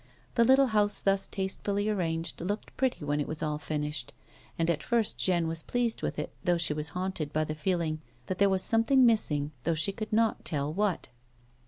The little house thus tastefully arranged, looked pretty when it was all finished, and at first Jeanne was pleased with it though she was haunted by a feeling that there was something missing though she could not tell what.